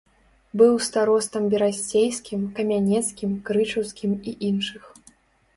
Быў старостам берасцейскім, камянецкім, крычаўскім і іншых.